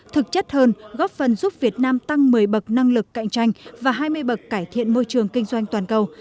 thực chất hơn góp phần giúp việt nam tăng một mươi bậc năng lực cạnh tranh và hai mươi bậc cải thiện môi trường kinh doanh toàn cầu